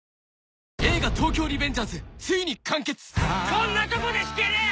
「こんなとこで引けねえ！」